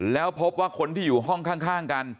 แล้วพบว่าคนที่อยู่ห้องข้างกัน